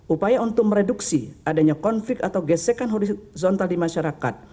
upaya untuk mereduksi adanya konflik atau gesekan horizontal di masyarakat